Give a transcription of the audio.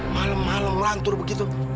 malam malam lantur begitu